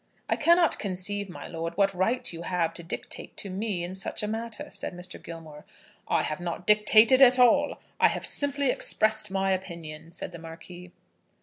"I cannot conceive, my lord, what right you have to dictate to me in such a matter," said Mr. Gilmore. "I have not dictated at all; I have simply expressed my opinion," said the Marquis.